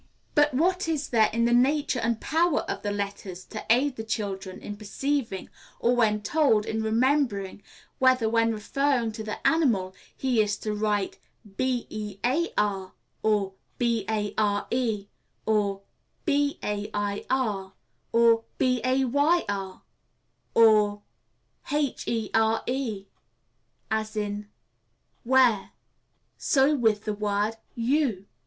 But what is there in the nature and power of the letters to aid the child in perceiving or, when told, in remembering whether, when referring to the animal, he is to write bear, or bare, or bair, or bayr, or bere, as in where. So with the word _you.